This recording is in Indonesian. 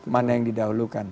mana yang didahulukan